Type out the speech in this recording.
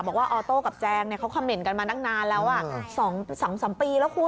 บอกว่าออโต้กับแจงเนี้ยเขาคอมเมนต์กันมานักนานแล้วอ่ะสองสามสามปีแล้วคุณ